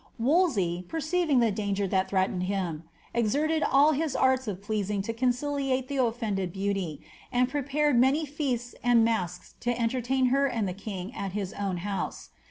Wolsey, perceiving the danger that threatened him, exerted all his arts of pleasing to conciliate Uie offended beauty, and prepared many feasts and masques to entertain her and the king at his own house.